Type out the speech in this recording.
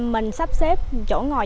mình sắp xếp chỗ ngồi